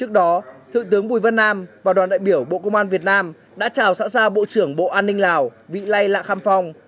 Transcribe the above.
trước đó thượng tướng bùi văn nam và đoàn đại biểu bộ công an việt nam đã chào xã xa bộ trưởng bộ an ninh lào vĩ lây lạc kham phong